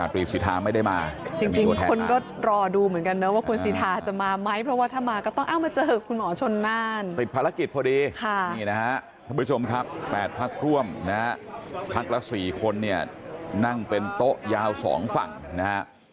พักละ๔คนเนี่ยนั่งเป็นโต๊ะยาว๒ฝั่งนะฮะ